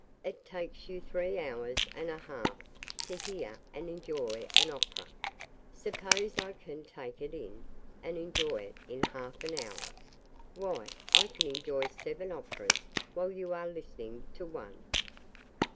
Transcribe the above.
It takes you three hours and a half to hear and enjoy an opera. Suppose I can take it in, and enjoy it, in half an hour. Why, I can enjoy seven operas, while you are listening; to one!"